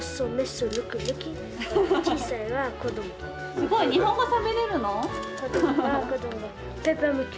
すごい日本語しゃべれるの？